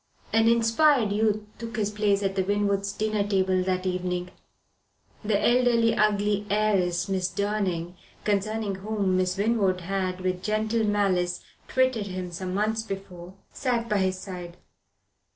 An inspired youth took his place at the Winwoods' dinner table that evening. The elderly, ugly heiress, Miss Durning, concerning whom Miss Winwood had, with gentle malice, twitted him some months before, sat by his side.